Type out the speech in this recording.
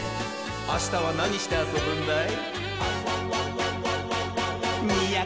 あしたはなにしてあそぶんだい？